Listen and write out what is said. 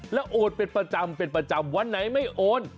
แล้วโอนเป็นประจำวันไหนไม่โอน